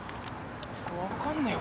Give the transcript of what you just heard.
わかんねえよ